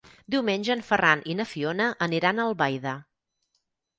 Diumenge en Ferran i na Fiona aniran a Albaida.